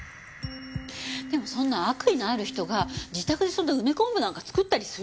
でもそんな悪意のある人が自宅でそんな梅昆布なんか作ったりする？